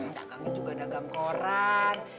dagangnya juga dagang koran